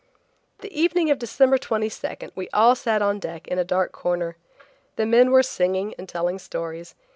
The evening of December 22 we all sat on deck in a dark corner. The men were singing and telling stories.